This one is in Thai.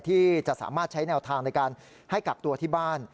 ที่จะสามารถใช้แนวทางในการให้กักตัวที่บ้าน